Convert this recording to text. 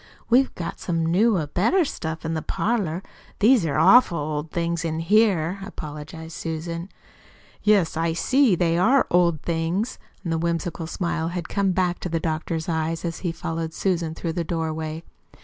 "We've got some newer, better stuff in the parlor. These are awful old things in here," apologized Susan. "Yes, I see they are old things." The whimsical smile had come back to the doctor's eyes as he followed Susan through the doorway.